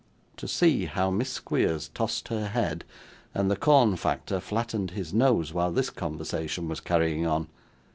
To see how Miss Squeers tossed her head, and the corn factor flattened his nose, while this conversation was carrying on!